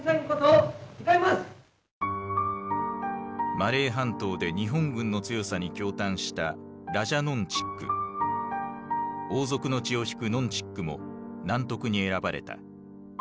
マレー半島で日本軍の強さに驚嘆した王族の血を引くノン・チックもナントクに選ばれた。